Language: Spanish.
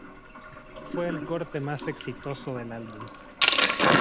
Fue el corte más exitoso del álbum.